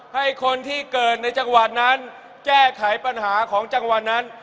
ให้คนที่เกิดในจังหวัดนั้นแก้ไขปัญหาของจังหวัดนั้น